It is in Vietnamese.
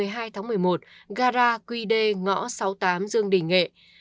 một mươi bảy giờ ngày một mươi hai tháng một mươi một gara quy đê ngõ sáu mươi tám dương đình nghệ